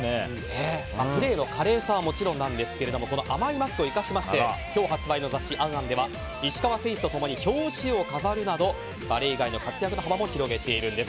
プレーの華麗さはもちろんですがこの甘いマスクを生かしまして今日発売の雑誌「ａｎａｎ」では石川選手と共に表紙を飾るなどバレー以外の活躍の幅も広げているんです。